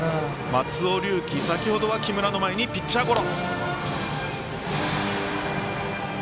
松尾龍樹、先ほどは木村の前にピッチャーゴロ。